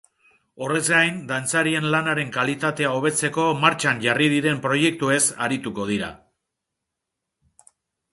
Horrez gain, dantzarien lanaren kalitatea hobetzeko martxan jarri diren proiektuez arituko dira.